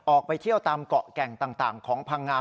ออกไปเที่ยวตามเกาะแก่งต่างของพังงา